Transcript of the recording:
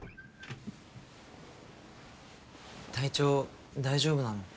体調大丈夫なの？